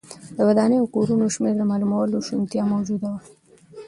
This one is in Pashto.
د ودانیو او کورونو شمېر د معلومولو شونتیا موجوده وه.